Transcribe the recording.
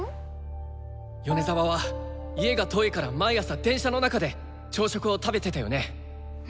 米沢は家が遠いから毎朝電車の中で朝食を食べてたよね。